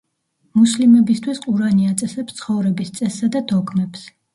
მუსლიმებისთვის ყურანი აწესებს ცხოვრების წესსა და დოგმებს.